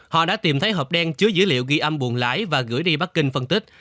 họ đã tìm thấy hộp đen chứa dữ liệu ghi âm buồn lái và gửi đi bắc kinh phân tích